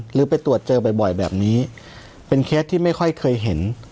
หรือไปตรวจเจอบ่อยแบบนี้เป็นเคสที่ไม่ค่อยเคยเห็น